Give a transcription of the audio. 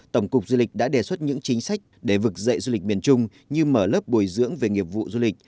tổng cục du lịch đã đề xuất những chính sách để vực dậy du lịch miền trung như mở lớp bồi dưỡng về nghiệp vụ du lịch